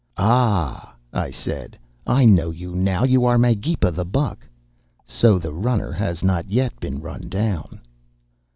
"'Ah!' I said, 'I know you now, you are Magepa the Buck. So the Runner has not yet been run down.